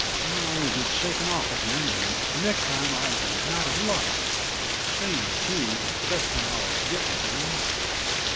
"I'd only get shaken off again and next time I'd be out of luck. Shame too, just when I was getting things."